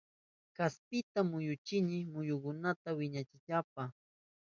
Kaspita kuyuchini muyunkunata wichachinaynipa